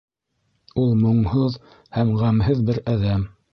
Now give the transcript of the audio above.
Ул моңһоҙ һәм ғәмһеҙ бер әҙәм.